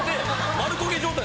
丸焦げ状態。